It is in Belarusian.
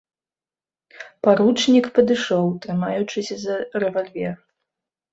Паручнік падышоў, трымаючыся за рэвальвер.